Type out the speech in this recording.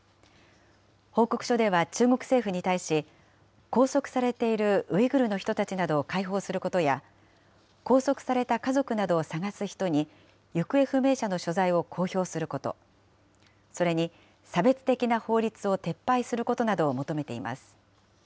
報告書では、中国政府に対し、拘束されているウイグルの人たちなどを解放することや、拘束された家族などを捜す人に、行方不明者の所在を公表すること、それに差別的な法律を撤廃することなどを求めています。